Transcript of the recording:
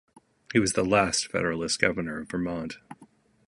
He was the last Federalist governor of Vermont.